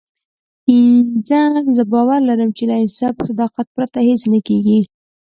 پينځم زه باور لرم چې له انصاف او صداقت پرته هېڅ نه کېږي.